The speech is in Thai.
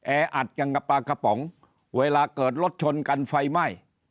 แออัดจังกับปลากระป๋องเวลาเกิดรถชนกันไฟไหม้